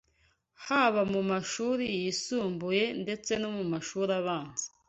haba mu mashuri yisumbuye ndetse no mashuri abanza